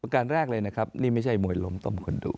การแรกเลยนะครับนี่ไม่ใช่มวยล้มต้มคนดู